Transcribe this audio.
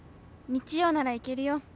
「日曜ならいけるよ！